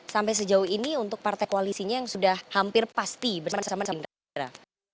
sampai sejauh ini untuk partai koalisinya yang sudah hampir pasti bersama sama gerindra